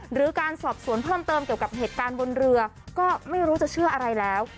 หรือการสอบสวนเพิ่มเติมเกี่ยวกับเหตุการณ์บนเรือก็ไม่รู้จะเชื่ออะไรแล้ว